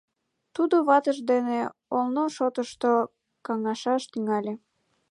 Тудо ватыж дене олно шотышто каҥашаш тӱҥале.